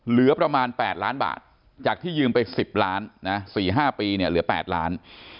เหลือประมาณ๘ล้านบาทจากที่ยืมไป๑๐ล้านนะ๔๕ปีเนี่ยเหลือ๘ล้าน